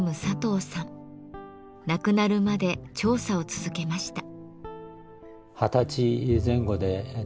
亡くなるまで調査を続けました。